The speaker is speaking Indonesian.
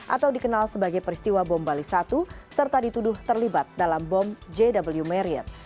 atau dikenal sebagai peristiwa bom bali satu serta dituduh terlibat dalam bom jw marriot